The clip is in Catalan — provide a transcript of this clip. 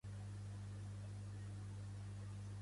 Això no mola, panerola.